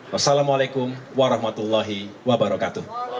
wassalamualaikum warahmatullahi wabarakatuh